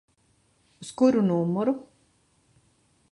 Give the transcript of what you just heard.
Uz kuru numuru?